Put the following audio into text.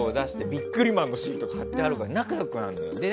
ビックリマンのシールとかも貼ってあるから仲良くなるのよ。